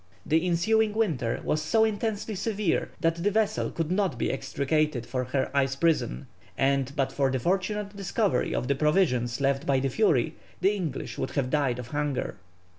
The ensuing winter was so intensely severe, that the vessel could not be extricated from her ice prison, and but for the fortunate discovery of the provisions left by the Fury, the English would have died of hunger.